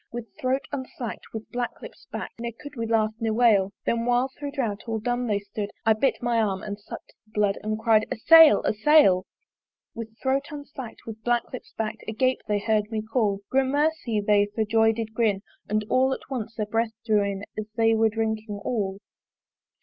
With throat unslack'd, with black lips bak'd Ne could we laugh, ne wail: Then while thro' drouth all dumb they stood I bit my arm and suck'd the blood And cry'd, A sail! a sail! With throat unslack'd, with black lips bak'd Agape they hear'd me call: Gramercy! they for joy did grin And all at once their breath drew in As they were drinking all.